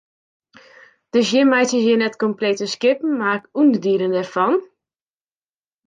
Dus jim meitsje hjir net komplete skippen mar ûnderdielen dêrfan?